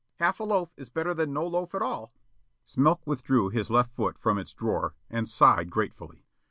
Half a loaf is better than no loaf at all." Smilk withdrew his left foot from its drawer and sighed gratefully.